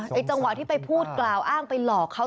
จังหวะที่ไปพูดกล่าวอ้างไปหลอกเขา